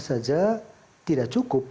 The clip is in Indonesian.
saja tidak cukup